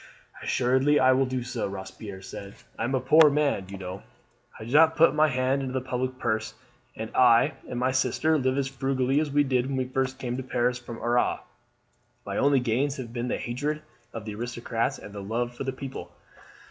"Assuredly I will do so," Robespierre said. "I am a poor man, you know. I do not put my hand into the public purse, and I and my sister live as frugally as we did when we first came to Paris from Arras. My only gains have been the hatred of the aristocrats and the love of the people.